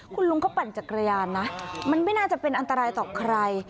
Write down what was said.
คุณลุงเขาปั่นจักรยานนะมันไม่น่าจะเป็นอันตรายต่อใคร